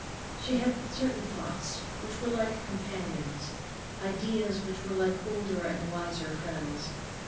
She had certain thoughts which were like companions, ideas which were like older and wiser friends.